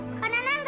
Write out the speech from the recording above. makanan gak enak